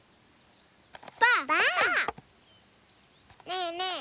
ねえねえ